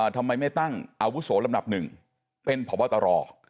ทำไมไม่ตั้งอาวุโสลำดับหนึ่งเป็นพบตร